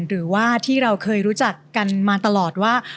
หรือว่าที่เราเคยรู้จักกันมาตลอดว่า